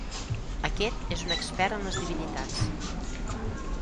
Aquest és un expert en les divinitats.